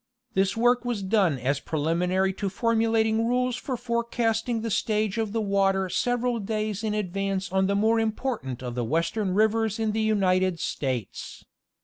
This work was done as preliminary to formulating rules for forecasting the stage of the water several days in advance on the more import ant of the western rivers in the United States.